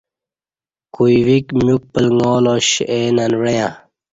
کوئی ویک میوک پلݣالاش اے ننوعݩہ